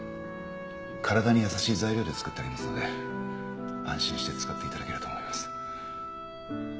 体に優しい材料で作ってありますので安心して使って頂けると思います。